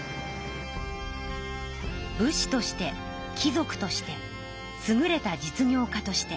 武士として貴族としてすぐれた実業家として。